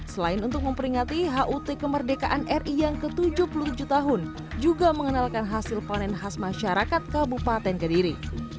selain untuk memperingati hut kemerdekaan ri yang ke tujuh puluh tujuh tahun juga mengenalkan hasil panen khas masyarakat kabupaten kediri